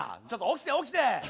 ちょっと起きて起きて！